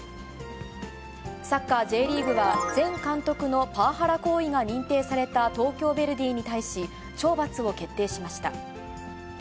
サッカーＪリーグは、前監督のパワハラ行為が認定された東京ヴェルディに対し、懲罰を決定しました。